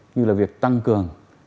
như là việc tăng cường